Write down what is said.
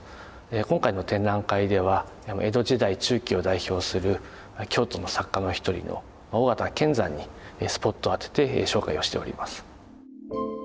今回の展覧会では江戸時代中期を代表する京都の作家の一人の尾形乾山にスポットを当てて紹介をしております。